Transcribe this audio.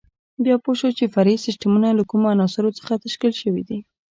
بیا پوه شو چې فرعي سیسټمونه له کومو عناصرو څخه تشکیل شوي دي.